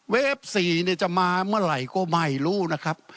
๔จะมาเมื่อไหร่ก็ไม่รู้นะครับ